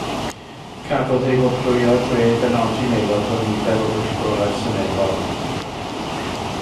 Cafodd ei wobrwyo drwy ei benodi'n aelod o nifer o bwyllgorau seneddol.